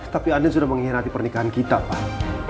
tapi andin sudah menghirati pernikahan kita pak